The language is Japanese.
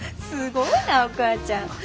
すごいなお母ちゃん。